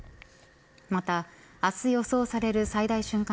また、明日予想される最大瞬間